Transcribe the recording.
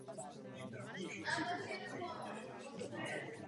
V září byl předveden veřejnosti při přehlídce letecké techniky ve Farnborough.